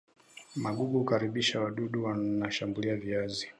magugu hukaribisha wadudu wanashambulia viazi